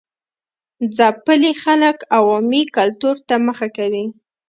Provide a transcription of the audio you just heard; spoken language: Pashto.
ځپلي خلک عوامي کلتور ته مخه کوي.